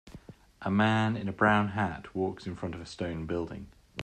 A man in a brown hat walks in front of stone building.